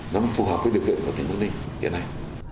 nó phù hợp với điều kiện của tỉnh bắc ninh hiện nay